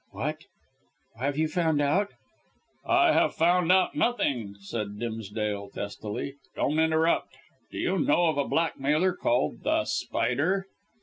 "What? Have you found out " "I have found out nothing," said Dimsdale testily. "Don't interrupt. Do you know of a blackmailer called The Spider?"